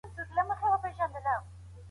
پېغور ورکول ولي د کرکې او کينې سبب کېږي؟